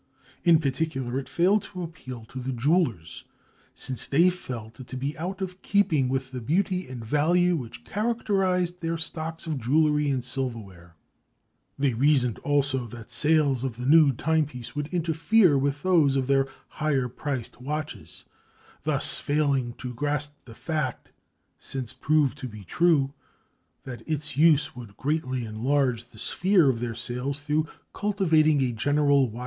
In particular it failed to appeal to the jewelers, since they felt it to be out of keeping with the beauty and value which characterized their stocks of jewelry and silverware. They reasoned, also, that sales of the new timepiece would interfere with those of their higher priced watches, thus failing to grasp the fact, since proved to be true, that its use would greatly enlarge the sphere of their sales through cultivating a general watch carrying habit.